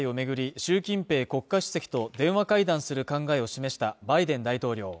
習近平国家主席と電話会談する考えを示したバイデン大統領